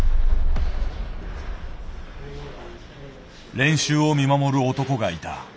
練習を見守る男がいた。